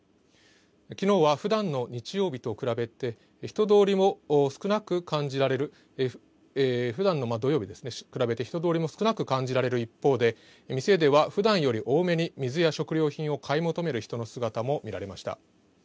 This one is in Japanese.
きのうはふだんの日曜日と比べて人通りも少なく感じられふだんの土曜日ですね、人通りも少なく感じられる一方で店ではふだんより多めに水や食料品を買い求める人の姿も見られました。